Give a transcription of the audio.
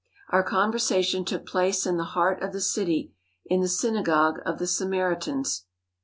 Our conversation took place in the heart of the city in the synagogue of the Samaritans.